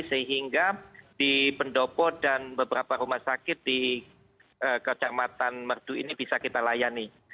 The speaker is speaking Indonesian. sehingga di pendopo dan beberapa rumah sakit di kecamatan merdu ini bisa kita layani